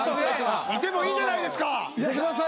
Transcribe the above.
いてもいいじゃないですか。